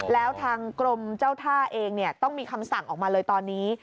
แล้วทางกรมเจ้าท่าเองต้องมีคำสั่งออกมาเลยตอนนี้